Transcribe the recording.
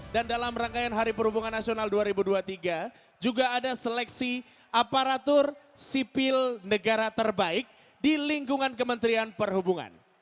dan dalam rangkaian hari perhubungan nasional dua ribu dua puluh tiga juga ada seleksi aparatur sipil negara terbaik di lingkungan kementerian perhubungan